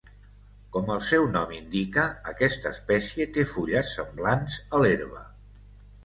Com el seu nom indica, aquesta espècie té fulles semblants a l'herba.